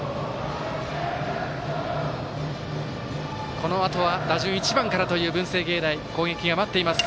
このあとは打順１番からという文星芸大付属攻撃が待っています。